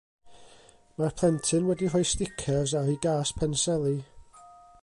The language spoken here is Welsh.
Mae'r plentyn wedi rhoi sticers ar 'i gas penseli.